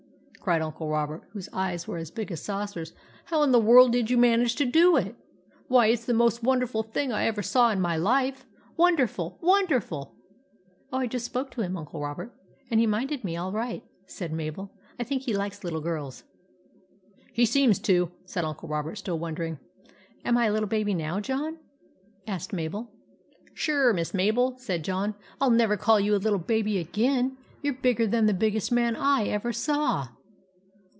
" cried Uncle Robert, whose eyes were as big as saucers. " How in the world did you manage to do it? Why, it 's the most wonderful thing I ever saw in my life ! Wonderful ! Wonderful !"" Oh, I just spoke to him, Uncle Robert, and he minded me all right," said Mabel. " I think he likes little girls/' " He seems to," said Uncle Robert, still wondering. " Am I a little baby now, John ?" asked Mabel. "Sure, Miss Mabel," said John, " I '11 never call you a little baby again. You 're bigger than the biggest man / ever saw